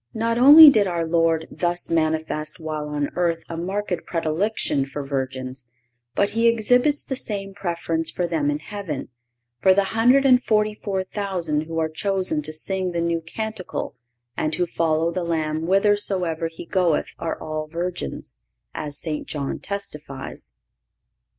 Not only did our Lord thus manifest while on earth a marked predilection for virgins, but He exhibits the same preference for them in heaven; for the hundred and forty four thousand who are chosen to sing the New Canticle and who follow the Lamb whithersoever He goeth are all virgins, as St. John testifies.